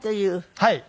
はい。